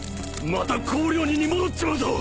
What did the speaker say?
また氷鬼に戻っちまうぞ！